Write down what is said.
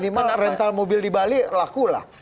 paling minimal rental mobil di bali laku lah